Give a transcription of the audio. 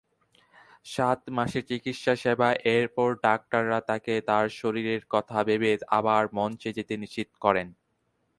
সাত মাসের চিকিৎসা সেবা এর পর, ডাক্তাররা তাকে তার শরীরের কথা ভেবে আবার মঞ্চে যেতে নিষেধ করেন।